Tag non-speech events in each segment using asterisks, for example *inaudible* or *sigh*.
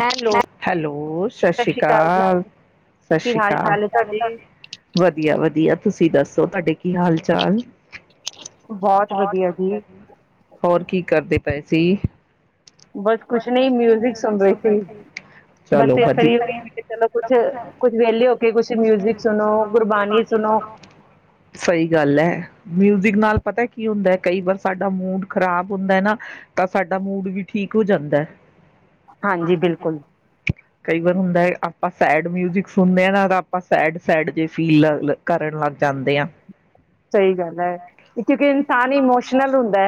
Hello, hello ਸਤਿ ਸ੍ਰੀ ਅਕਾਲ, ਸਤਿ ਕੀ ਸ੍ਰੀ ਹਾਲ ਚਾਲ ਹੈ ਅਕਾਲ, ਤੁਹਾਡੇ? ਵਧੀਆ ਵਧੀਆ ਤੁਸੀਂ ਦੱਸ ਤੁਆਡੇ ਕੀ ਹਾਲ ਚਾਲ? ਬੋਹਤ ਵਧੀਆ ਜੀ, ਹੋਰ ਕੀ ਕਰਦੇ? ਪੈਸੇ ਬਸ ਕੁਛ ਨਹੀਂ ਮਿਊਜਿਕ ਸੁਣ ਰਈ ਸੀ ਬਸ ਚਲੋ ਫਿਰ ਵਧਿ, ਫਰੀ ਹੋਈ ਮੈਂ ਕਿਹਾ ਚਲੋ ਕੁਛ, ਕੁਛ ਵਿਹਲੇ ਹੋ ਕੇ ਕੁਛ ਨਈ ਮਿਊਜਿਕ ਸੁਣੋ ਗੁਰਬਾਣੀ ਸੁਣੋ, ਸਈ ਗੱਲ ਏ ਮਿਊਜ਼ਿਕ ਨਾਲ ਪਤਾ ਕੀ ਹੋਂਦੈ, ਕਈ ਵਾਰ ਸਾਡਾ ਮੂਡ ਖ਼ਰਾਬ ਹੋਂਦੈ ਨਾ ਤਾਂ ਸਾਡਾ ਮੂਡ ਵੀ ਠੀਕ ਹੋ ਜਾਂਦੈ। ਹਾਂਜੀ, ਬਿਲ ਕੁਲ ਹੁੰਦੈ ਆਪਾਂ ਸੈਡ ਮਿਊਜ਼ਿਕ ਸੁਣਦੇ ਹਾਂ ਨਾ ਤਾਂ ਆਪਾਂ ਸੈਡ ਸੈਡ ਜੇ ਫੀਲ ਕਰਨ ਲੱਗ ਜਾਂਦੇ ਹਾਂ ਸਹੀ ਗੱਲ ਏ, ਕਿਓਂਕਿ ਇਨਸਾਨ ਇਮੋਸ਼ਨਲ ਹੁੰਦੈ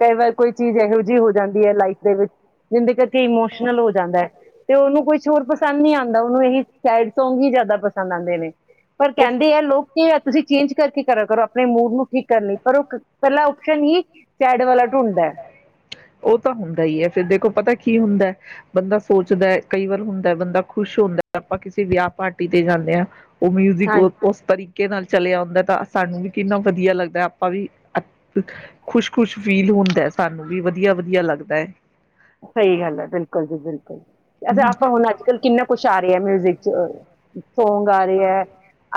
ਕਈ ਵਾਰ ਕੋਈ ਚੀਜ ਐਹੋ ਜੀ ਹੋ ਜਾਂਦੀ ਐ ਲਾਈਫ ਦੇ ਵਿੱਚ, ਜਿੰਦੇ ਕਿ ਇਮੋਸ਼ਨਲ ਹੋ ਜਾਂਦਾ ਐ। ਤੇ ਓਨੂੰ ਕੁਛ ਹੋਰ ਪਸੰਦ ਨੀਂ ਆਂਦਾ। ਉਨੂੰ ਏਹੀ ਸੈਡ ਸੌਂਗ ਈ ਜਆਦਾ ਪਸੰਦ ਆਂਦੇ ਨੇ। ਪਰ ਕੈਂਦੇ ਐ ਲੋਕ ਕਿ ਤੁਸੀਂ ਚੇਂਜ ਕਰਕੇ ਕਰੇ ਕਰੋ ਅਪਣੇ ਮੂਡ ਨੂੰ ਠੀਕ ਕਰਨ ਲਈ ਪਰ ਓ ਪੈਲਾ ਓਪਸ਼ਨ ਹੀ ਸੈਡ ਵਾਲਾ ਢੂੰਡਦੈ। ਓ ਤਾਂ ਹੁੰਦਾ ਈ ਐ, ਫਿਰ ਦੇਖੋ ਪਤਾ ਕੀ ਹੁੰਦੈ ਬੰਦਾ ਸੋਚਦਾ ਐ ਕਈ ਵਾਰ ਹੁੰਦੈ ਬੰਦਾ ਖੁਸ਼ ਹੁੰਦਾ ਆਪਾਂ ਕਿਸੇ ਵੇਆ ਪਾਟੀ ਤੇ ਜਾਂਦੇ ਆਂ। ਓ ਮਿਊਜ਼ਿਕ ਹਾਂਜੀ ਉਸਸ ਤਰੀਕ- ਨਾਲ ਚਲਿਆ ਓਂਦਾ ਤਾਂ ਸਾਨੂੰ ਵੀ ਕਿੰਨਾ ਵਧੀਆ ਲੱਗਦਾ ਆਪਾਂ ਵੀ, ਖੁਸ਼ ਖੁਸ਼ ਫੀਲ ਹੁੰਦੈ ਸਾਨੂੰ ਵੀ ਵਧੀਆ ਵਧੀਆ ਲੱਗਦੈ। ਸਈ ਗੱਲ ਐ ਬਿਲਕੁਲ ਜੀ ਬਿਲਕੁਲ ਐਜ਼ ਹਮ ਆਪਾਂ ਹੁਣ ਅੱਜ ਕੱਲ੍ਹ ਕਿੰਨਾ ਕੁਛ ਆ ਮਿਊਜ਼ਿਕ ਚ ਸੌਂਗ ਆ ਰਏ ਐ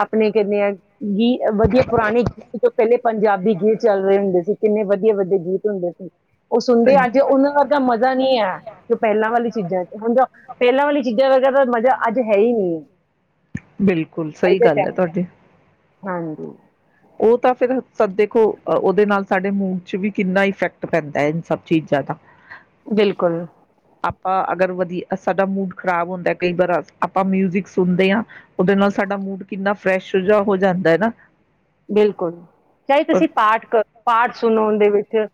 ਆਪਣੇ ਕਿੰਨੇ ਆਏ? ਗੀ ਵਧੀਆ ਪੁਰਾਣੇ ਗੀਤ ਤੋਂ ਪੈਲੇ ਪੰਜਾਬੀ ਗੀਤ ਚੱਲ ਰਏ ਹੁੰਦੇ ਸੀ, ਕਿੰਨੇ ਵਧੀਆ ਵਧੀਆ ਗੀਤ *unintelligible* ਓਹ ਸੁਨਦੇ ਸਹੀ ਅਜ ਓਨਾਂ ਵਰਗਾ ਮ ਨਈ ਐ, ਜੋ ਪੈਲਾਂ ਵਾਲੀ ਚੀਜਾ ਚ, ਹੁਣ ਪੈਲਾਂ ਵਾਲੀ ਚੀਜਾਂ ਵਰਗਾ ਮਜ਼ਾ ਅੱਜ ਹੈ ਹੀ ਨਹੀਂ, ਬਿਲਕੁਲ ਅੱਜ ਸਹੀ ਦੇ ਗੱਲ ਹੈ ਟੈਮ ਤੁਹਾਡੀ ਹਾਂਜੀ। ਉਹ ਤਾਂ ਫਿਰ ਸਭ ਦੇਖੋ ਓਦੇ ਨਾਲ ਸਾਡੇ ਮੂਡ ਚ ਵੀ ਕਿੰਨਾ ਇਫੈਕਟ ਪੈਂਦਾ ਏ, ਇਨ ਸਭ ਚੀਜ਼ਾਂ ਦਾ ਬਿਲਕੁਲ। ਆਪਾਂ ਅਗਰ ਵਧੀਆ, ਸਾਡਾ ਮੂਡ ਖ਼ਰਾਬ ਹੁੰਦਾ ਕਈ ਵਾਰਾ, ਆਪਾਂ ਮਿਊਜਿਕ ਸੁਣਦੇ ਆ ਉਦੇ ਨਾਲ ਸਾਡਾ ਮੂਡ ਕਿੰਨਾ ਫਰੈਸ਼ ਜਾ ਹੋ ਜਾਂਦਾ ਹੈ ਨਾ। ਬਿਲਕੁਲ, ਚਾਹੇ ਤੁਸੀਂ ਪਾਠ ਕਰ, ਪਾਠ ਸੁਣੋ ਓਂਦੇ ਵਿਚ।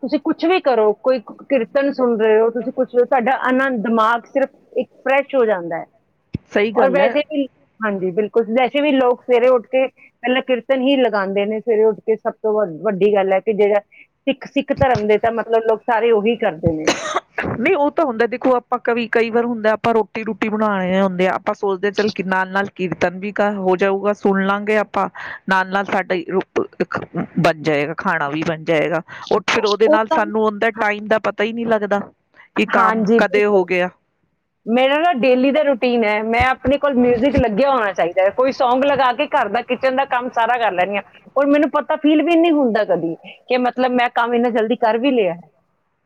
ਤੁਸੀਂ ਕੁਛ ਵੀ ਕਰੋ, ਕੋਈ ਕੀਰਤਨ ਸੁਣ ਰਹੇ ਓ, ਤੁਸੀਂ ਕੁਝ, ਤਾਡਾ ਏਨਾ, ਦਿਮਾਗ ਸਿਰਫ ਇੱਕ ਫਰੈਸ਼ ਓ ਜਾਂਦਾ ਐ। ਸਹੀ ਓਰ ਗੱਲ ਹੈ ਵੈਸੇ ਵੀ ਹਾਂਜੀ ਬਿਲਕੁਲ ਵੈਸੇ ਵੀ ਲੋਕ ਸਵੇਰੇ ਉੱਠ ਕੇ ਪੈਲਾਂ ਕਿਰਤ ਤਨ ਈ ਲਗਾਂਦੇ ਨੇ ਸਵੇਰੇ ਉੱਠ ਕੇ ਸਭ ਤੋਂ ਵ ਵੱਡੀ ਗੱਲ ਐ ਕਿ ਜੇੜਾ ਸਿੱਖ, ਸਿੱਖ ਧਰਮ ਦੇ ਤਾਂ ਮਤਲਬ ਲੋਕ ਸਾਰੇ ਉਹੀ ਕਰਦੇ ਨੇ। ਨਹੀਂ ਓਹ ਤਾਂ ਹੁੰਦਾ ਦੇਖੋ ਆਪਾਂ ਕਵ ਕਈ ਵਾਰ ਹੁੰਦਾ ਆਪਾਂ ਰੋਟੀ ਰੂਟੀ ਬਣਾ ਆਏ ਹੁੰਦੇ ਆ ਆਪਾਂ ਸੋਚਦੇ ਹਾਂ ਚੱਲ ਕੇ ਨਾਲ ਨਾਲ ਕੀਰਤਨ ਵੀ ਕਰ ਹੋ ਜਾਊਗਾ, ਸੁਣ ਲਾਂਗੇ ਆਪਾਂ, ਨਾਲ ਨਾਲ ਸਾਡਾ ਬਣ ਜਾਏਗਾ ਖਾਣਾ ਵੀ ਬਨ ਜਾਏਗਾ। ਉਠ ਫੇਰ ਓਦੇ ਉਹ ਨਾਲ ਕੰਮ ਸਾਨੂੰ ਓਂਦਾ ਹਾਂ ਟਾਈਮ ਦਾ ਪਤਾ ਹੀ ਨਹੀ ਲੱਗਦਾ। *unintelligible* ਕਿ ਕੰਮ ਹਾਂਜੀ ਕਦੇ ਬਿਲਕੁਲ ਹੋ ਗੇਆ ਮੇਰਾ ਨਾ ਡੇਲੀ ਦਾ ਰੁਟੀ ਧੀ ਨੇ, ਮੈਂ ਆਪਣੇ ਕੋਲ ਮਿਊਜ਼ਿਕ ਲੱਗਿਆ ਹੋਣਾ ਚਾਈਦੈ ਕੋਈ ਸੌਂਗ ਲਗਾ ਕੇ ਘਰ ਦਾ ਕਿਚਨ ਦਾ ਕੰਮ ਸਾਰਾ ਕਰ ਲੈੱਨਜ਼ ਆ, ਓਰ ਮੈਨੂੰ ਪਤਾ ਫੀਲ ਵੀ ਨੀ ਹੁੰਦਾ ਕਦੀ, ਕਿ ਮਤਲਬ ਮੈਂ ਕੰਮ ਇੰਨਾ ਜਲਦੀ ਕਰ ਵੀ ਲਿਆ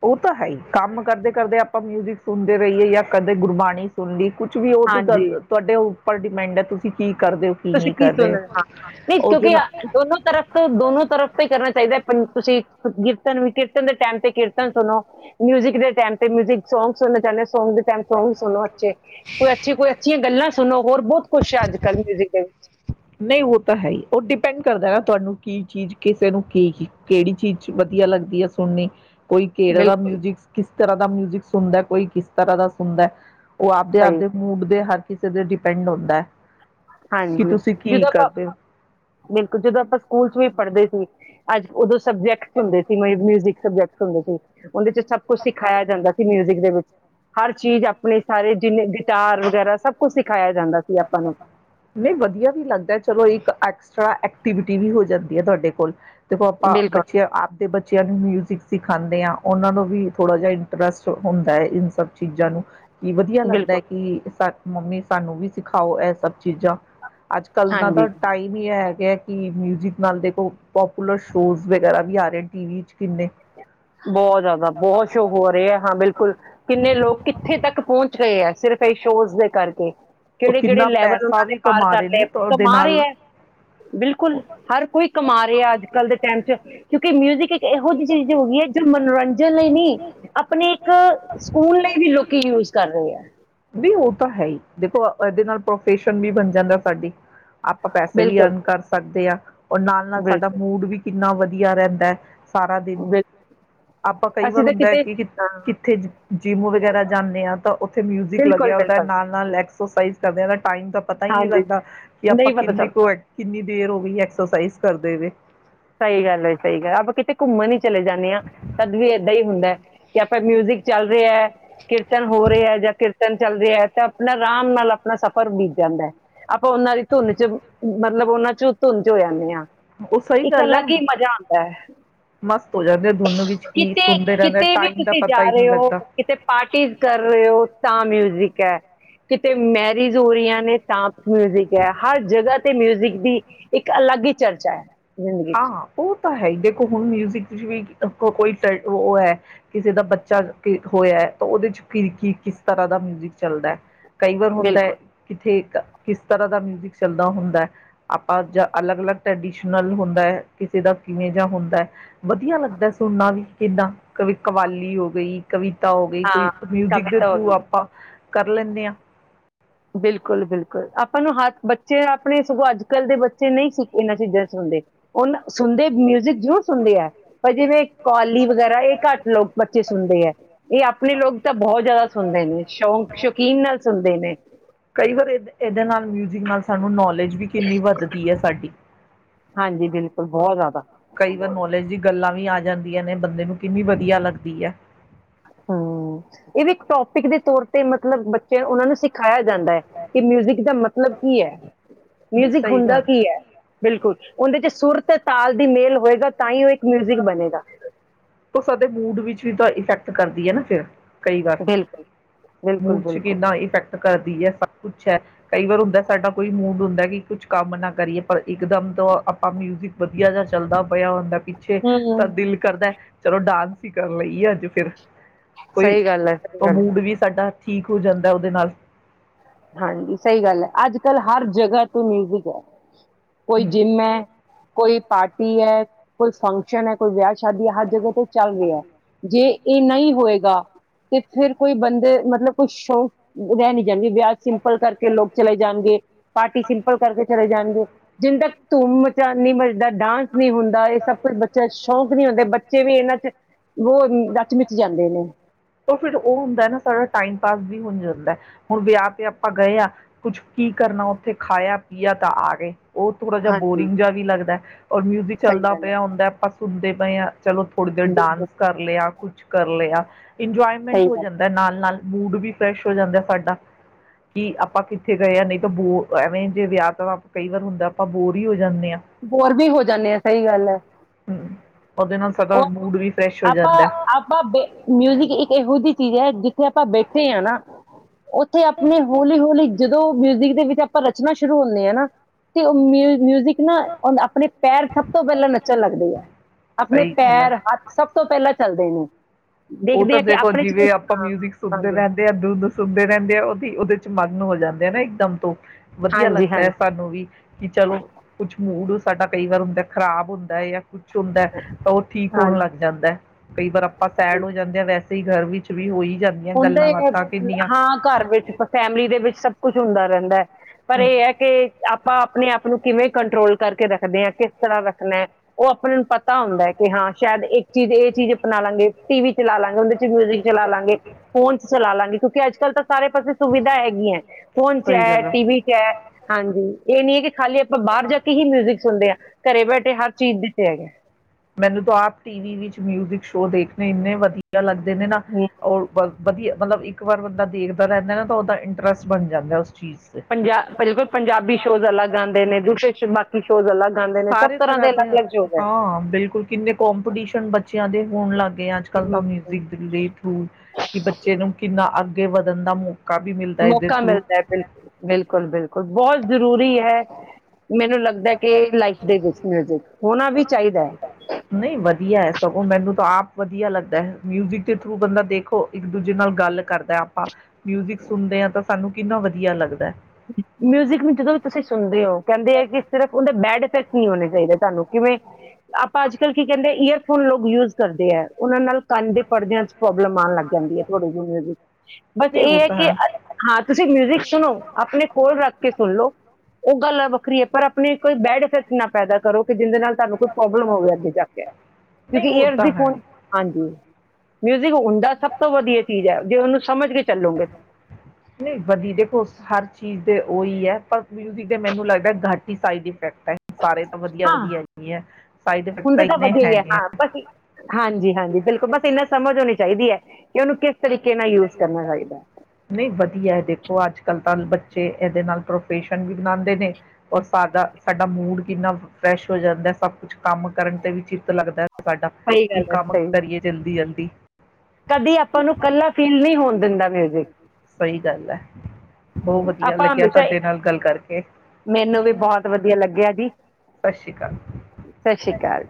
ਓਹ ਤਾਂ ਹੈ ਹੀ ਕੰਮ ਕਰਦੇ ਕਰਦੇ ਆਪਾਂ ਮਿਊਜ਼ਿਕ ਸੁਣਦੇ ਰਹੀਏ ਜਾਂ ਕਦੇ ਗੁਰਬਾਣੀ ਸੁਣ ਲਈ ਕੁਛ ਵੀ ਓਹ ਹਾਂਜੀ ਤੁਹਾਡੇ ਓਹ ਡਿਮੈਂਡ ਹੈ ਤੁਸੀਂ ਕੀ ਕਰਦੇ ਹੋ ਤੁਸੀਂ ਨਹੀਂ ਕੀ ਕਰਦੇ ਹੋ। ਸੁਣਦੇ ਹਾਂ ਨਹੀਂ ਉਹਦੇ ਕਿਉਂਕਿ ਨਾਲ ਦੋਨੋ ਤਰਫ ਤੋਂ ਦੋਨੋ ਤਰਫ ਤੋਂ ਈ ਕਰਨਾ ਚਾਈਦਾ ਏ ਤੁਸੀਂ ਕੀਰਤਨ ਵੀ ਕੀਰਤਨ ਦੇ ਟਾਈਮ ਤੇ ਕੀਰਤਨ ਸੁਣੋ ਮਿਊਜ਼ਿਕ ਦੇ ਟਾਈਮ ਤੇ ਮਿਊਜ਼ਿਕ ਸੌਂਗ ਸੁਣਨਾ ਚਾਹੁੰਦੇ ਹੋ ਸੌਂਗ ਟੈਮ ਤੁ ਵੀ ਸੁਣੋ ਅੱਛੇ ਕੋਈ ਅੱਛੀ ਕੋਈ ਅੱਛੀਆਂ ਗੱਲਾਂ ਸੁਣੋ ਹੋਰ ਬਹੁਤ ਕੁੱਛ ਅੱਜ ਕੱਲ੍ਹ ਮਿਉਜ਼ਿਕ ਨਹੀਂ ਓਹ ਤਾਂ ਹੈ ਹੀ ਉਹ ਡਿਪੈਂਡ ਕਰਦਾ ਨਾ ਤੁਹਾਨੂੰ ਕੀ ਚੀਜ਼ ਕਿਸੇ ਨੂੰ ਕੀ ਕਿਹੜੀ ਚੀਜ਼ ਵਧੀਆ ਲੱਗਦੀ ਹੈ ਸੁਣਨਨੀ ਕੋਈ ਕਿਹੜ ਦਾ ਬਿਲਕੁਲ ਮਿਊਜਿਕ ਕਿਸ ਤਰ੍ਹਾਂ ਦਾ ਮਊ ਸੁਣਦੈ ਕੋਈ ਕਿਸ ਤਰ੍ਹਾਂ ਦਾ ਸੁਣਦੈ ਓਹ ਆਪਦੇ ਸਹੀ ਆਪਦੇ ਮੂਡ ਦੇ ਹਰ ਕਿਸੇ ਦੇ ਡਿਪੈਂਡ ਹੁੰਦਾ ਹੈ ਕਿ ਹਾਂਜੀ ਤੁਸੀਂ ਕੀ ਜਦੋਂ ਆਪਾਂ, ਕਰਦੇ ਹੋ ਬਿਲਕੁਲ ਜਦੋਂ ਆਪਾਂ ਸਕੂਲ ਚ ਵੀ ਪੜਦੇ ਠੀ ਅੱਜ ਓਦੋਂ ਸਬਜੈਕਟਸ ਹੁੰਦੇ ਸੀ, ਮਿਊਜਿਕ ਸਬਜੈਕਟ ਹੁੰਦੇ ਸੀ, ਓਂਦੇ ਚ ਸਭ ਕੁਛ ਸਿਖਾਇਆ ਜਾਂਦਾ ਸੀ ਮਿਊਜ਼ਿਕ ਦੇ ਵਿੱਚ, ਹਰ ਚੀਜ਼ ਆਪਨੀ ਸਾਰੇ ਜਿੰਨੇ ਚਾਰ ਵਗੈਰਾ, ਸਭ ਕੁਛ ਸਿਖਾਇਆ ਜਾਂਦਾ ਸੀ ਆਪਾਂ ਨੂੰ। ਨਈ ਵਧੀਆ ਵੀ ਲੱਗਦਾ, ਚਲੋ ਇੱਕ ਐਕਸਟਾ੍ ਐਕਟੀਵਿਟੀ ਵੀ ਹੋ ਜਾਂਦੀ ਐ ਤੁਹਾਡੇ ਕੋਲ। ਦੇਖੋ ਆਪਾਂ ਬਿਲਕੁਲ ਬੱਚਿਆਂ, ਆਪਦੇ ਬੱਚਿਆਂ ਨੂੰ ਮਿਊਜਿਕ ਸਿਖਾਂਦੇ ਆ, ਓਨਾਂ ਨੂੰ ਵੀ ਥੋੜਾ ਜੇਆ ਇੰਟਰਸਟ ਹੁੰਦਾ ਏ ਇਨ ਸਭ ਚੀਜਾ ਨੂੰ ਕੀ ਵਧੀਆ ਲੱਗਦਾ ਬਿਲਕੁਲ ਐ ਮੰਮੀ ਸਾਨੂੰ ਵੀ ਸਿਖਾਓ ਇਹ ਸਭ ਚੀਜ਼ਾਂ ਅੱਜ-ਕੱਲ ਦਾ ਤਾਂ ਹਾਂਜੀ ਟਾਈਮ ਹੀ ਐ ਕਿ ਮਿਊਜ਼ਿਕ ਨਾਲ ਦੇਖੋ ਪਾਪੂਲਰ ਸ਼ੋਜ਼ ਵਗੈਰਾ ਵੀ ਆ ਰਏ ਟੀ ਵੀ ਚ ਕਿੰਨੇ ਬੋਤ ਜਾਦਾ, ਬੌਹਤ ਸ਼ੋ ਹੋ ਰਏ ਆ, ਹਾਂ ਬਿਲਕੁਲ ਕਿੰਨੇ ਲੋਕ ਕਿੱਥੇ ਤੱਕ ਪਹੁੰਚ ਰਏ ਐ। ਸਿਰਫ ਏ ਸ਼ੋਜ਼ ਦੇ ਕਰਕੇ ਉਹ ਕੇੜੇ ਕੇੜੇ ਕਿੰਨਾ ਲੈਵਲ ਪੈਸਾ ਓਨਾਂ ਨੇ ਵੀ ਪਾਰ ਕਮਾ ਕਰ ਰਹੇ ਲਏ, ਨੇ ਤੇ ਉਹਦੇ ਕਮਾ ਰਏ ਨਾਲ ਐ, ਬਿਲਕੁਲ ਹਰ ਕੋਈ ਕਮਾ ਰਿਆ ਅੱਜ-ਕੱਲ ਦੇ ਟੈਮ ਚ ਕਿਓ ਕਿ ਮਿਓਜਿਕ ਏਹੋ ਜਿ ਚੀਜ ਹੋ ਗਈ ਐ ਮਨੋਰੰਜ ਜਨ ਲਈ ਨੀ, ਆਪਨੇ *unintelligible* ਕੂਨ ਲਈ ਵੀ ਲੋਕੀ ਯੂਜ਼ ਕਰ ਰੇ ਐ ਨੀ ਓਹ ਤਾਂ ਹੈ ਈ ਦੇਖੋ ਇਹਦੇ ਨਾਲ ਪ੍ਰੋਫੈਸ਼ਨ ਵੀ ਬਣ ਜਾਂਦਾ ਓ ਸਾਡੀ ਆਪਾਂ ਪੈਸੇ ਵੀ ਬਿਲਕੁਲ ਅਰਨ ਕਰ ਸਕਦੇ ਆ ਔਰ ਨਾਲ ਨਾਲ ਸਾਡਾ ਬਿਲਕੁਲ ਮੂਡ ਵੀ ਕਿੰਨਾ ਵਧੀਆ ਰਹਿੰਦੈ ਸਾਰਾ ਬਿਲ- ਦਿਨ--ਆਪਾਂ ਕਈ ਅਸੀਂ ਵਾਰ ਤਾਂ ਹੁੰਦਾ ਕਿਤੇ ਏ ਕਿ ਹਾਂ, ਕਿੱਥੇ ਜਿੰਮ ਵਗੈਰਾ ਜਾਂਦੇ ਆਂ ਤਾਂ ਓਁਥੇ ਮਿਊਜ਼ਿਕ ਬਿਲਕੁਲ ਲੱਗਿਆ ਹੁਂਦ, ਬਿਲਕੁਲ ਨਾਲ ਨਾਲ ਐਕਸਰਸਾਈਜ਼ ਕਰਦੇ ਦਾ ਟਾਈਮ ਤਾਂ ਪਤਾ ਹੀ ਨਹੀਂ ਹਾਂਜੀ ਲੱਗਦਾ ਕਿ ਆਪਾਂ ਨਹੀਂ ਪਤਾ ਕਿੰਨੀ ਚੱਲਦਾ ਕੁ ਕਿੰਨੀ ਦੇਰ ਹੋ ਗਈ ਏ ਐਕਸਰਸਾਈਜ਼ ਕਰਦੇ ਨੇ ਸਹੀ ਗੱਲ ਏ ਸਹੀ ਗੱਲ, ਆਪਾਂ ਕਿਤੇ ਘੁੰਮਣ ਈ ਚਲੇ ਜਾੱਨੇ ਆਂ ਤਦ ਵੀ ਏਦਾਂ ਈ ਹੁਂਦਾ ਏ, ਕਿ ਆਪਾਂ ਮਿਊਜ਼ਿਕ ਚੱਲ ਰਿਆ ਕੀਰਤਨ ਹੋ ਰਿਐ ਜਾਂ ਕੀਰਤਨ ਚੱਲ ਰਿਹਾ ਏ ਤਾਂ ਆਪਨਾ ਆਰਾਮ ਨਾਲ ਆਪਣਾ ਸਫ਼ਰ ਬੀਤ ਜਾਂਦਾ ਏ, ਆਪਾਂ ਓਹਨਾਂ ਦੀ ਧੁੰਨ ਚ ਮਤਲਬ ਉਹਨਾਂ ਚੋਂ ਧੁੰਧ ਚ ਹੋ ਜਾੱਨੇ ਆਂ ਉਹ ਸਹੀ ਇੱਕ ਗੱਲ ਹੈ। ਅਲੱਗ ਈ ਮਜਾ ਆਂਦਾ ਏ, ਮਸਤ ਹੋ ਜਾਂਦੇ ਧੁੰਨ ਵਿੱਚ ਕੀ ਕਿਤੇ ਸੁਣਦੇ ਰਹਿੰਦੇ ਕਿਤੇ ਵੀ ਟਾਈਮ ਦਾ ਤੁਸੀਂ ਜਾ ਪਤਾ ਹੀ ਨਹੀਂ ਰਹੇ ਹੋ ਲੱਗਦਾ। ਕਿਤੇ ਪਾਰਟੀਜ਼ ਕਰ ਰਏ ਓ ਸ਼ਾ ਮਊਜ਼ਿਕ ਐ ਕਿਤੇ ਮੈਰਿਜ਼ ਹੋਰੀਐੰ ਨੇ ਤਾਂ ਮਿਓਜ਼ਿਕ ਹੈ, ਹਰ ਜਗ੍ਹਾ ਤੇ ਮਿਓਜਿਕ ਦੀ ਇੱਕ ਅਲੱਗ ਈ ਚਰਚਾ ਐ। ਹਾਂ, ਹਾ, ਉ ਤਾਂ ਹੈ ਹੀ ਦੇਖੋ ਹੁਨ ਮਿਉਜਿਕ ਕੁਛ ਵੀ, ਕੋਈ ਓਹ ਹੈ ਕਿਸੇ ਦਾ ਬੱਚਾ ਹੋਇਆ ਤਾਂ ਓਦੇ ਚ, ਕੀ ਕੀ ਕਿਸ ਤਰ੍ਹਾਂ ਦਾ ਮਿਊਜਿਕ ਚਲਦਾ ਕਈ ਵਾਰ ਹੁੰਦਾ ਐ ਬਿਲਕੁਲ ਕਿੱਥੇ ਕਿਸ ਤਰ੍ਹਾਂ ਦਾ ਮਿਓਜਿਕ ਚੱਲਦਾ ਹੁੰਦਾ, ਆਪਾਂ ਅਲੱਗ, ਅਲੱਗ ਟ੍ਰਡੀਸ਼ਨਲ ਹੁੰ ਦਾ ਏ, ਕਿਸੇ ਦਾ ਕਿਵੇਂ ਜੇਹਾ ਹੁੰਦਾ ਵਧੀਆ ਲੱਗਦਾ ਸੁਣਨਾ ਵੀ। ਕਿੱਦਾਂ? ਕਵ ਕਵਾਲੀ ਹੋ ਗਈ ਕਵਿਤਾ ਹੋ ਗਈ, ਕੋਈ ਹਾਂ ਮਿਊਜਿਕ ਦੇ ਕਵਿਤਾ ਹੋ ਥਰੂ ਗਈ ਆਪਾਂ ਕਰ ਲੈਨੇ ਆ। ਬਿਲਕੁਲ, ਬਿਲਕੁਲ ਆਪਾਂ ਨੂੰ ਹੱਥ ਬੱਚੇ ਆਪਣੇ ਸਗੋਂ ਅੱਜ -ਕੱਲ ਦੇ ਬੱਚੇ ਨਹੀਂ ਸੀ ਇਹਨਾਂ ਚੀਜ਼ਾਂ ਚ ਸੁਣਦੇ ਓ ਸੁਣਦੇ ਮਿਉਜਿਕ ਜ਼ਰੂਰ ਸੁਣਦੇ ਹੈ। ਪਰ ਜਿਵੇਂ ਕੋਵਾਲੀ ਵਗੈਰਾ ਇਹ ਘੱਟ ਲੋਕ ਬੱਚੇ ਸੁਣਦੇ ਐ। ਏ ਆਪਣੇ ਲੋਗ ਏ ਤਾਂ ਬੋਤ ਜਾਦਾ ਸੁਣਦੇ ਨੇ, ਸ਼ੌਕ ਸ਼ੌਕੀਨ ਨਾਲ ਸੁਣਦੇ ਨੇ। ਕਈ ਵਾਰ ਏ, ਏਦੇ ਨਾਲ ਮਿਉਜਿਕ ਨਾਲ ਸਾਨੂੰ ਨੌਲੇਜ ਵੀ ਕਿੰਨੀ ਵੱਧਦੀ ਏ ਸਾਡੀ। ਹਾਂਜੀ ਬਿਲਕੁਲ ਬਹੁਤ ਜ਼ਿਆਦਾ ਕਈ ਵਾਰ ਨੌਲੇਜ ਦੀ ਗੱਲਾਂ ਵੀ ਆ ਜਾ ਜਾਂਦੀਆਂ ਨੇ ਬੰਦੇ ਨੂੰ ਕਿੰਨੀ ਵਧੀਆ ਲੱਗਦੀ ਐ। ਹੂੰ, ਏ ਵੀ ਇੱਕ ਟੋਪਿਕ ਦੇ ਤੌਰ ਤੇ ਮਤਲ ਮਤਲਬ ਬੱਚੇ ਓਨਾਂ ਨੂੰ ਸਿਖਾਇਆ ਜਾਂਦਾ ਏ ਕਿ ਮਿਉਜ਼ਿਕ ਦਾ ਮਤਲਬ ਕੀ ਐ? ਨਹੀਂ ਮਿਊਜ਼ਿਕ ਸਹੀ ਹੁੰਦਾ ਗੱਲ ਕੀ ਹੈ? ਬਿਲਕੁਲ। ਓਂਦੇ ਚ ਸੁਰ ਤੇ ਤਾਲ ਦੀ ਮੇਲ ਹੋਏਗਾ ਤਾਂ ਹੀ ਓ ਇੱਕ ਮਿਊਜ਼ਿਕ ਬਣੇਗਾ। ਓ ਸਾਦੇ ਮੂਡ ਵਿੱਚ ਵੀ ਤਾਂ ਇਫੈਕਟ ਕਰਦੀ ਏ ਨਾ ਫੇਰ ਕਈ ਵਾਰ, ਬਿਲਕੁਲ, ਬਿਲਕੁਲ, ਮੂਡ ਚ ਬਿਲਕੁਲ। ਕਿੰਨਾ ਇਫੈਕਟ ਕਰਦੀ ਐ, ਸਭ ਕੁਛ ਐ ਕਈ ਵਾਰ ਹੁੰਦਾ ਸਾਡਾ ਕੋਈ ਮੂਡ ਹੁੰਦਾ ਕਿ ਕੁਛ ਕੰਮ ਨਾ ਕਰੀਏ ਪਰ ਇਕਦਮ ਤੋਂ ਆਪਾਂ ਮਿਓਜਿਕ ਵਧੀਆ ਜਿਹਾ ਚੱਲਦਾ ਪਿਆ ਹੁੰਦਾ ਪਿੱਛੇ, ਤਾਂ ਹੂੰ। ਦਿਲ ਕਰਦਾ ਡਾਂਸ ਹੀ ਕਰਨ ਲਈਯੇ ਅੱਜ ਫੇਰ। ਕੋਈ ਸਹੀ ਗੱਲ ਐ, ਸਹੀ ਓ ਗੱਲ ਮੂਡ ਐ। ਵੀ ਸਾਡਾ ਠੀਕ ਹੋ ਜਾਂਦਾ ਉਦੇ ਨਾਲ। ਹਾਂਜੀ, ਸਹੀ ਗੱਲ ਹੈ, ਅੱਜ-ਕੱਲ ਹਰ ਜਗ੍ਹਾ ਤੋ ਮਿਉਜਿਕ ਐ। ਕੋਈ ਜਿੰਮ ਐ ਕੋਈ ਪਾਰਟੀ ਐ, ਕੋਈ ਫੰਕਸ਼ਨ ਐ, ਕੋਈ ਵਿਆਹ ਸ਼ਾਦੀ ਐ, ਹਰ ਜਗ੍ਹਾ ਤੇ ਚੱਲ ਰਿਹਾ। ਜੇ ਏਹ ਨਹੀਂ ਹੋਏਗਾ ਤੇ ਫੇਰ ਕੋਈ ਬੰਦੇ ਮਤਲਬ ਕੋਈ ਸ਼ੌਕ ਰੈ ਨੀ ਜਾਂਦੇ ਵਿਆਹ ਸਿੰਪਲ ਕਰਕੇ ਲੋਕ ਚਲੇ ਜਾਣਗੇ। ਪਾਰਟੀ ਖਿਲ ਸਿੰਪਲ ਕਰਕੇ ਚਲੇ ਜਾਣਗੇ ਜਿੰਨ ਦੇਰ ਧੂੰਮ ਮਚਾਨੀ ਮਰਦਾ ਡਾਂਸ ਨੀ ਹੁੰਦਾ ਇਹ ਸਭ ਕੁਛ ਬੱਚਾ ਸ਼ੌਕ ਨੀ ਹੁੰਦੇ ਬੱਚੇ ਵੀ ਇਹਨਾਂ ਚ ਔਰ ਰਚ ਮਿਚ ਜਾਂਦੇ ਨੇ ਤੇ ਫਿਰ ਉਹ ਹੁੰਦਾ ਨਾ ਸਾਡਾ ਟਾਈਮ ਪਾਸ ਵੀ ਹੋ ਜਾਂਦਾ। ਹੁਣ ਵਿਆਹ ਤੇ ਆਪਾਂ ਗਏ ਹਾਂ ਕੁਛ ਕੀ ਕਰਨਾ ਉੱਥੇ ਖਾਇਆ ਪੀਆ ਤਾਂ ਆ ਗਏ। ਉਹ ਥੋੜਾ ਜਿਹਾ ਹਾਂਜੀ, ਬੋਰਿੰਗ ਜਿਆ ਵੀ ਲੱਗਦਾ, ਔਰ ਮਿਊਜ਼ਿਕ ਸਹੀ ਚਲਦਾ ਗੱਲ ਪਿਆ ਹੁੰਦਾ ਪਾਸੇ ਹੁੰਦੇ ਪਏ ਆ ਚਲੋ ਥੋੜ੍ਹੀ ਦੇਰ ਹੈ ਡਾਂਸ ਕਰ ਲਿਆ। ਕੁੱਛ ਕਰ ਲੋ ਲੇਆ ਇੰਜੌਇਮੈਂਟ ਸਹੀ ਹੋ ਗੱਲ ਜਾਂਦੈ ਨਾਲ ਨਾਲ ਮੂਡ ਵੀ ਫਰੈਸ਼ ਹੋ ਜਾਂਦਾ ਸਾਡਾ ਕਿ ਆਪਾਂ ਕਿੱਥੇ ਗਏ ਆਂ ਨਹੀਂ ਤਾਂ ਬੋ ਐਵੇਂ ਜੇ ਵਿਆਹ ਤਾਂ ਕਈ ਵਾਰ ਹੁੰਦਾ ਆਪਾਂ ਬੋਰ ਹੀ ਹੋ ਜਾਂਦੇ ਆ ਬੋਰ ਵੀ ਹੋ ਜਾਨੇ ਆ ਸਹੀ ਗੱਲ ਐ ਉਦੇ ਨਾਲ ਸਾਡਾ ਮੂਡ ਵੀ ਫਰੈਸ਼ ਹੋ ਆਪਾਂ, ਜਾਂਦਾ ਹੈ। ਆਪਾਂ ਬੇ ਮਿਉਜਿਕ ਇੱਕ ਏਹੋ ਚੀਜ਼ ਐ ਜੇ ਆਪਾਂ ਬੇਠੇ ਆ ਨਾ, ਉੱਥੇ ਆਪਣੇ ਹੌਲੀ ਹੌਲੀ ਜਦੋਂ ਮਿਉਜਿਕ ਦੇ ਵਿ ਆਪਾਂ ਰਚਨਾ ਸ਼ੁਰੂ ਹੁੰਨੇ ਆ ਨਾ, ਤੇ ਉਹ ਮਿਓਜ਼ ਮਿਉਜ਼ਿਕ ਨਾ ਹੁਣ ਆਪਣੇ ਪੈਰ ਸਭ ਤੋਂ ਪੈਲਾਂ ਨੱਚਣ ਲੱਗਦੇ ਆ, ਆਪਣੇ ਸਹੀ ਗੱਲ ਪੈਰ, ਹੱਥ ਸਭ ਤੋਂ ਪੈਲ ਲਾ ਚੱਲਦੇ ਨੇ ਓਹ ਦੇਖਦੇ ਤਾਂ ਆ ਕਿ ਦੇਖੋ ਆਪਣੇ ਚ ਜਿਵੇਂ ਕੁਛ ਆਪਾਂ ਹਾਂ ਮਿਊਜਿਕ ਸੁਨਦੇ ਹਾਂਜੀ ਰੈੰਦੇ ਆਂ, ਦੁਧ ਸੁਣਦੇ ਰਹਿੰਦੇ ਆ, ਉਦੀ ਉਦੇ ਮਗਨ ਹੋ ਜਾਂਦੇ ਆ ਨਾ ਇੱਕਦਮ ਤੋਂ ਵਧੀਆ ਹਾਂਜੀ ਲੱਗਦੈ ਹਾਂਜੀ ਸਾਨੂੰ ਵੀ ਕਿ ਚਲੋ ਕੁਛ ਮੂਡ ਸਾਡਾ ਕਈ ਵਾਰ ਹੁੰਦੈ ਖਰਾਬ ਹੁੰਦੈ ਯਾ ਕੁ ਛ ਹੁੰਦੈ, ਤਾਂ ਓ ਠੀਕ ਹੋਣ ਹਾਂਜੀ ਲੱਗ ਜਾਂਦਾ ਕਈ ਵਾਰ ਆਪਾਂ ਸੈਡ ਹੋ ਵੈਸੇ ਈ ਘਰ ਵਿੱਚ ਵੀ ਓਈ ਹੁੰਦੇ, ਹਾਂ ਘਰ ਵਿੱਚ ਫੈਮਿਲੀ ਦੇ ਵਿੱਚ ਸਭ ਕੁਝ ਹੁੰਦੈ ਰੈਂਦਾ ਪਰ ਏਹ ਐ ਕਿ ਆਪਾਂ ਆਪਣੇ ਆਪ ਨੂੰ ਕਿਵੇਂ ਕੰਟਰੋਲ ਕਰਕੇ ਰੱਖਦੇ ਆਂ ਕਿਸ ਤਰ੍ਹਾਂ ਰੱਖਣੈ ਓਹ ਆਪਣੇ ਨੂੰ ਪਤਾ ਹੁੰਦੈ ਕਿ ਹਾਂ ਸ਼ਾਇਦ ਇੱਕ ਚੀਜ ਇਹ ਚੀਜ ਅਪਣਾ ਲਾਂਗੇ ਟੀ ਵੀ ਚਲਾ ਲਾਂਗੇ ਉਂਦੇ ਚ ਮਿਊਜ਼ਿਕ ਚਲਾ ਲਾਂਗੇ ਉਂਝ ਚਲਾ ਲਾਂਗੇ ਕਿਉਂਕਿ ਅੱਜ ਕੱਲ ਤਾ ਸਾਰੇ ਪਾਸੇ ਸੁਵਿਧਾ ਹੈਗੀਐਂ, ਫੋਨ ਚ ਸਹੀ ਐ ਗੱਲ ਟੀ ਵੀ ਚ ਐ, ਹਾਂਜੀ ਇਹ ਨਹੀਂ ਕਿ ਖਾਲੀ ਆਪਾਂ ਬਾਰ ਜਾ ਕੇ ਈ, ਮਿਊਜ਼ਿਕ ਸੁਣਦੇ ਆਂ ਘਰੇ ਬੈਠੇ ਹਰ ਚੀਜ਼ ਦੀ *unintelligible* ਮੈਨੂੰ ਤੋ ਆਪ ਟੀ ਵੀ ਵਿੱਚ ਮਿਊਜ਼ਿਕ ਸ਼ੋ ਦੇਖਣੇ ਇੰਨੇ ਵਧੀਆ ਲੱਗ ਦੇ ਨੇ ਨਾ ਔਰ ਬ ਵਧੀਆ--ਮਤਲਬ ਇੱਕ ਵਾਰ ਬੰਦਾ ਦੇਖਦਾ ਰਹਿੰਦੈ ਨਾ ਤਾਂ ਓਹਦਾ ਇੰਟਰਸਟ ਬਣ ਜਾਂਦੈ ਓਸ ਪੰਜਾ ਬਿਲਕੁਲ ਪੰਜਾਬੀ ਸ਼ੋਜ਼ ਅਲੱਗ ਆਂਦੇ ਨੇ ਦੂਸਰੇ ਚ ਬਾ ਤੇ ਸ਼ੋਜ਼ ਅਲਗ ਸਾਰੇ ਤਰ੍ਹਾਂ ਦੇ ਹਾਂ ਬਿਲਕੁਲ ਕਿੰਨੇ ਕੋਂਪੀਟੀਸ਼ਨ ਬੱਚਿਆਂ ਦੇ ਹੋਣ ਲੱਗ ਗਏ ਅੱਜ ਕੱਲ ਦਾ ਮਿਊਜਿਕ ਦੇ ਥਰੂ ਕਿ ਬੱਚੇ ਨੂੰ ਕਿੰਨਾ ਅੱਗੇ ਵਧਣ ਦਾ ਮੌ ਮੌਕਾ ਮਿਲਦਾ ਏ, ਬਿਲਕੁਲ ਬਿਲਕੁਲ ਬਿਲਕੁਲ ਬੋਹਤ ਜ਼ਰੂਰੀ ਹੈ ਮੈਨੂੰ ਲੱਗਦੈ ਕਿ ਲਾਈਫ ਦੇ ਵਿੱਚ ਮਿਊਜ਼ਿਕ ਹੋਣਾ ਵੀ ਚਾਹੀਦਾ ਏ ਨਹੀਂ ਵਧੀਆ ਹੈ ਸਗੋਂ ਮੈਨੂੰ ਤਾਂ ਆਪ ਵਧੀਆ ਲੱਗਦਾ ਹੈ, ਮਿਊਜਿਕ ਦੇ ਥਰੂ ਬੰਦਾ ਦੇਖੋ ਇੱਕ ਦੂਜੇ ਨਾਲ ਗੱਲ ਕਰਦਾ ਆਪਾਂ ਮਿਊਜਿਕ ਸੁਣਦੇ ਹਾਂ ਤਾਂ ਸਾਨੂੰ ਕਿੰਨਾ ਵਧੀਆ ਲੱਗਦਾ ਐ। ਮਿਊਜ਼ਿਕ ਨੂੰ ਜਦੋਂ ਵੀ ਤੁਸੀਂ ਸੁਨਦੇ ਓ ਕੈਂਦੇ ਆ ਕਿ ਸਿਰਫ ਓਦੇ ਬੈਡ ਫੀਟ ਨਈ ਹੋਣੇ ਚਾਹੀਦਾ ਤਾਂ, ਕਿਵੇਂ ਆਪਾਂ ਅੱਜ-ਕੱਲ੍ਹ ਕੀ ਕੈਂਦੇ ਈਅਰ ਹੁਣ ਲੋਕ ਯੂਜ ਕਰਦੇ ਐ ਓਨਾਂ ਨਾਲ ਕਨ ਦੇ ਪਰਦਿਆਂ ਚ ਪ੍ਰੋਬਲਮ ਆਣ ਲੱਗ ਜਾਂਦੀ ਏ, *unintelligible* ਮਿਊਜ਼ਿਕ ਬਸ ਨਹੀਂ ਉਹ ਇਹ ਹੈ ਤਾਂ ਕਿ ਹਾਂ ਤੁਸੀਂ ਮਿਊਜਿਕ ਸੁਣੋ। ਆਪਣੇ ਕੋਲ ਰੱਖ ਕੇ ਸੁਣ ਲੋ, ਓ ਗੱਲ ਵੱਖਰੀ ਹੈ ਪਰ ਆਪਣੇ ਕੋਈ ਬੈਡ ਇਫੈਕਟ ਨਾ ਪੈਦਾ ਕਰੋ ਜਿੰਹਦੇ ਨਾਲ ਤਾਨੂੰ ਕੋਈ ਪ੍ਰੋਬਲਮ ਹੋਵੇ ਅੱਗੇ ਜਾ ਕੇ ਕਿਓ ਕਿ ਨਹੀਂ ਉਹ ਈਅਰਸ ਦੀ ਤਾਂ ਹੈ ਫੋਨ, ਹਾਂਜੀ। ਮਿਓਜ ਹੋੰ‍ਡਾ ਸਭ ਤੋਂ ਵਧੀਆ ਚੀਜ਼ ਐ ਜੇ ਓਨੂੰ ਸਮਝ ਕੇ ਚੱਲੋਗੇ ਤ। ਨਹੀਂ ਵਧੀ ਦੇਖੋ ਹਰ ਚੀਜ਼ ਦੇ ਓ ਹੀ ਹੈ ਪਰ ਮਿਊਜ਼ਿਕ 'ਮੈਨੂੰ ਲੱਗਦਾ ਘਾਟੀ ਸਾਈਡ ਇ ਹਾਂ, ਸਾਈਡ ਇਫੈਕਟ ਹੁੰਦੇ ਤਾਂ ਇੰਨੇ ਵਧੀਆ ਹੀ ਹੈ, ਨਹੀਂ ਹਾਂ ਬਸ ਹਾਂਜੀ, ਹਾਂਜੀ, ਬਿਲਕੁਲ ਬਸ ਇੰਨਾ ਸਮਝ ਹੋਣੀ ਚਾਹੀਦੀ ਐ ਓਨੂੰ ਕਿਸ ਤਰੀਕੇ ਨਾਲ ਯੂਜ਼ ਕਰਨਾ ਚਾਹੀਦਾ ਹੈ। ਨਇ ਵਧੀਆ ਏ ਦੇਖੋ ਅੱਜ ਕੱਲ ਤਾਂ ਬੱਚੇ ਇਹਦੇ ਨਾਲ ਪ੍ਰੋਫੈਸ਼ਨ ਵੀ ਬਣਾਉਂਦੇ ਨੇ ਔਰ ਸਾਡਾ ਸਾਡਾ ਮੂਡ ਕਿੰਨਾ ਫਰੈਸ਼ ਹੋ ਜਾਂਦੈ ਸਭ ਕੁਛ ਕੰਮ ਕਰਨ ਤੇ ਵੀ ਚਿੱਤ ਲੱਗਦੈ ਸਾਡਾ ਸਹੀ ਕਿ ਗੱਲ ਹੈ ਕੰਮ ਸਹੀ ਗੱਲ। ਕਰੀਏ ਜਲਦੀ ਜਲਦੀ ਕਦੀ ਆਪਾਂ ਨੂੰ ਕੱਲਾ ਫੀਲ ਨਹੀਂ ਹੋਣ ਦਿੰਦਾ ਮਿਊਜ਼ਿਕ, ਸਹੀ ਗੱਲ ਹੈ ਬਹੁਤ ਵਧੀਆ ਆਪਾਂ ਲੱਗਿਆ ਹਮੇਸ਼ਾ ਤੁਹਾਡੇ ਨਾਲ ਗੱਲ ਕਰਕੇ ਮੈਨੂੰ ਵੀ ਬਹੁਤ ਵਧੀਆ ਲੱਗਿਆ ਜੀ ਸਤਿ ਸ਼੍ਰੀ ਅਕਾਲ ਸਤਿ ਸ਼੍ਰੀ ਅਕਾਲ